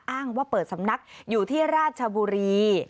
อ้างว่าเปิดสำนักอยู่ที่ราชบุรี